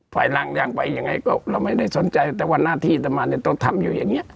ฝ่ายรังยังไปยังไงก็เราไม่ได้สนใจแต่ว่าหน้าที่ต่อมาเนี่ยต้องทำอยู่อย่างเงี้